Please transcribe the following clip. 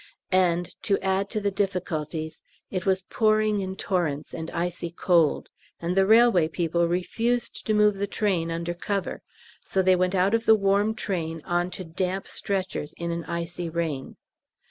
And, to add to the difficulties, it was pouring in torrents and icy cold, and the railway people refused to move the train under cover, so they went out of a warm train on to damp stretchers in an icy rain.